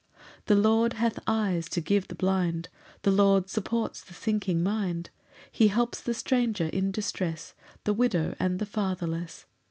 6 The Lord hath eyes to give the blind; The Lord supports the sinking mind; He helps the stranger in distress, The widow and the fatherless.